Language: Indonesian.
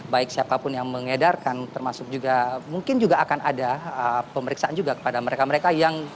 baik siapapun yang mengedarkan termasuk juga mungkin juga akan ada pemeriksaan juga kepada mereka mereka